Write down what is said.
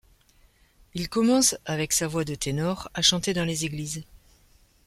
Il commence, avec sa voix de ténor, à chanter dans les églises.